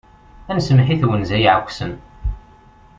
Ad nsemmeḥ i twenza iɛeksen.